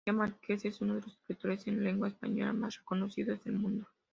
García Márquez es uno de los escritores en lengua española más reconocidos del mundo.